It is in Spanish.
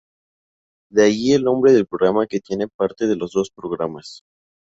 De allí el nombre del programa que tiene parte de los dos programas.